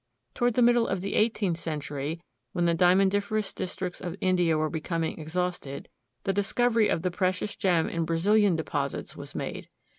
Toward the middle of the eighteenth century, when the diamondiferous districts of India were becoming exhausted, the discovery of the precious gem in Brazilian deposits was made.